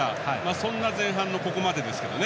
そんな前半のここまでですね。